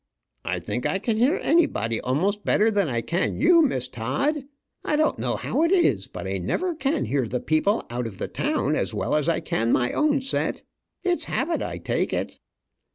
I think I can hear anybody almost better than I can you, Miss Todd. I don't know how it is, but I never can hear the people out of the town as well as I can my own set. It's habit I take it."